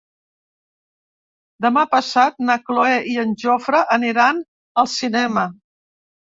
Demà passat na Cloè i en Jofre aniran al cinema.